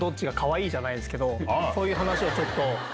そういう話をちょっと。